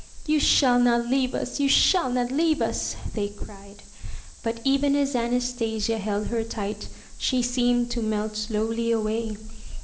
''You shall not leave us! You shall not leave us!'' they cried. But even as Anastasia held her tight, she seemed to melt slowly away.